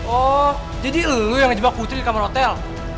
oh jadi lo yang ngejebak putri di kamar hotel